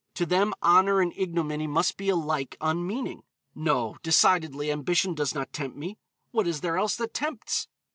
To them honor and ignominy must be alike unmeaning. No, decidedly, ambition does not tempt me. And what is there else that tempts?